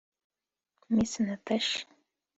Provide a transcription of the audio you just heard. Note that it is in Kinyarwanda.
Miss Natacha